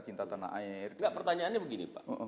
cinta tanah air enggak pertanyaannya begini pak